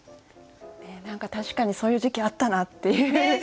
確かにそういう時期あったなっていう。